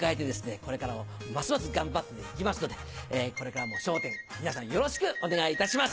これからもますます頑張って行きますのでこれからも『笑点』皆さんよろしくお願いいたします。